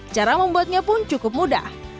cara membuatnya pun cukup mudah